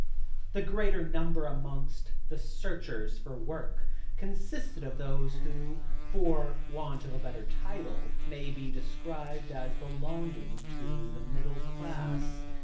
The greater number amongst the searchers for work, consisted of those who, for want of a better title, may be described as belonging to the middle classes.